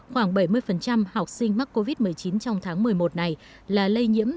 khoảng bảy mươi học sinh mắc covid một mươi chín trong tháng một mươi một này là lây nhiễm